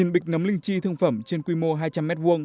một bịch nấm linh chi thương phẩm trên quy mô hai trăm linh m hai